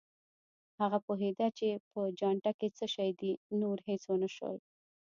هغه پوهېده چې په چانټه کې څه شي دي، نور هېڅ ونه شول.